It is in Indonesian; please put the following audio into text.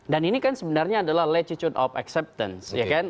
dan ini kan sebenarnya adalah latitude of acceptance